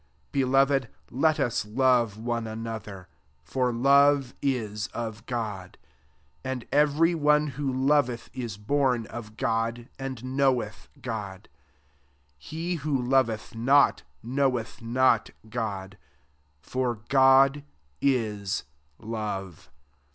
7 Beloved, let us love one another; for love is of God: and every one who loveth is born of God, and knoweth God. 8 He who loveth not, knoweth not God; for God is love.